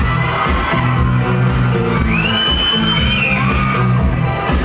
ไม่ต้องถามไม่ต้องถาม